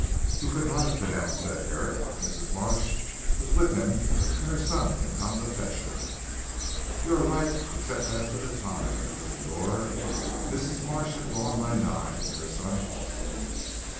"He could not have been out," said Herrick. "Mrs. Marsh was with him, and her son had come to fetch her." "You are right except as to the time, Señor. Mrs. Marsh had gone by nine, and her son also.